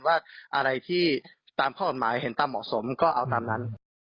ว่าอะไรที่ตามข้อกฎหมายเห็นตามเหมาะสมก็เอาตามนั้น